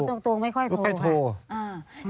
ตรงไม่ค่อยโทรค่ะ